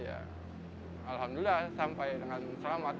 alhamdulillah sampai dengan selamat